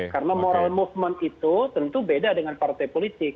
karena moral movement itu tentu beda dengan partai politik